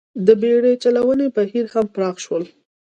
د بېړۍ چلونې بهیر هم پراخ شول